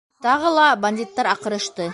Тағы ла бандиттар аҡырышты.